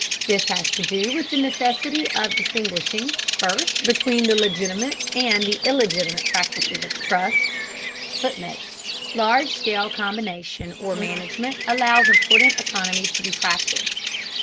This has to do with the necessity of distinguishing, first, between the legitimate and the illegitimate practices of trusts [Footnote: Large scale combination or management allows important economies to be practiced.